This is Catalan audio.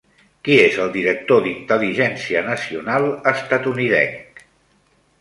Qui és el director d'Intel·ligència Nacional estatunidenc?